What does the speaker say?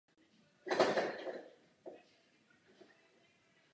Stále je před námi dlouhá cesta.